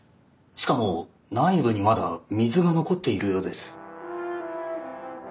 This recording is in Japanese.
しかも内部にまだ水が残っているようです。